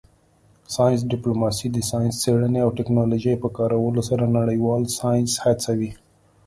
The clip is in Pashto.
ساینس ډیپلوماسي د ساینسي څیړنې او ټیکنالوژۍ په کارولو سره نړیوال ساینس هڅوي